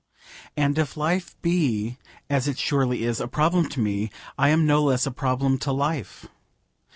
And if life be, as it surely is, a problem to me, I am no less a problem to life.